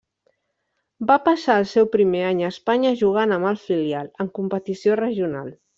Va passar el seu primer any a Espanya jugant amb el filial, en competició regional.